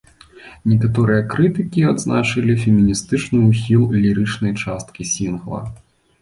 Некаторыя крытыкі адзначылі феміністычны ухіл лірычнай часткі сінгла.